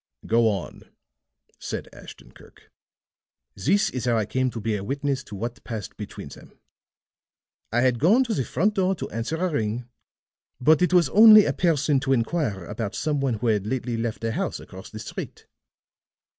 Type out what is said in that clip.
"Go on," said Ashton Kirk. "This is how I came to be a witness to what passed between them. I had gone to the front door to answer a ring, but it was only a person to inquire about some one who had lately left a house across the street.